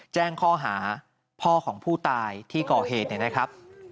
แจ้งข้อหาพ่อของผู้ตายที่ก่อเหตุเนี่ยนะครับ